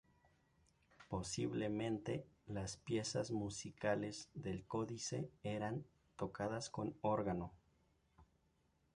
Posiblemente las piezas musicales del códice eran tocadas con órgano.